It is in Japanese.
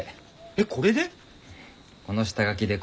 えっこれで？